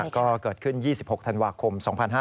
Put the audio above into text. ก็เกิดขึ้น๒๖ธันวาคม๒๕๕๙